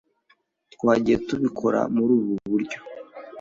Twagiye tubikora muri ubu buryo.